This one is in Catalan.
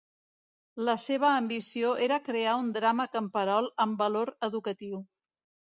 La seva ambició era crear un drama camperol amb valor educatiu.